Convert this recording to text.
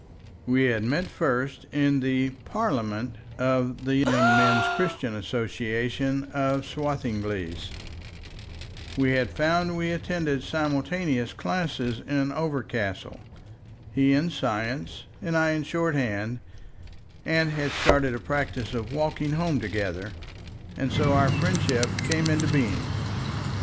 We had met first in the "Parliament" of the Young Men's Christian Association of Swathinglea; we had found we attended simultaneous classes in Overcastle, he in science and I in shorthand, and had started a practice of walking home together, and so our friendship came into being.